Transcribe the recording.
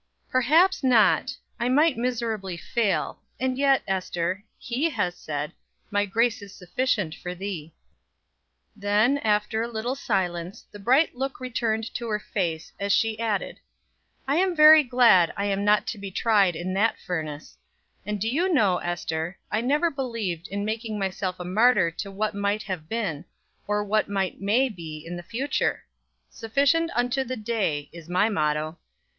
"Perhaps not I might miserably fail; and yet, Ester, He has said, 'My grace is sufficient for thee.'" Then, after a little silence, the bright look returned to her face as she added: "I am very glad that I am not to be tried in that furnace; and do you know, Ester, I never believed in making myself a martyr to what might have been, or even what may be in the future; 'sufficient unto the day' is my motto.